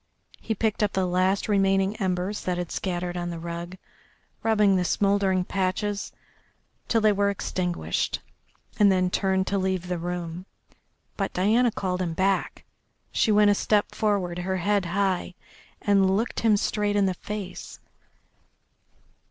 He picked up the last remaining embers that had scattered on the rug, rubbing the smouldering patches till they were extinguished, and then turned to leave the room. But Diana called him back. She went a step forward, her head high, and looked him straight in the face.